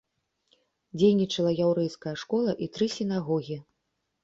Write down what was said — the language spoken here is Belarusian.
Дзейнічала яўрэйская школа і тры сінагогі.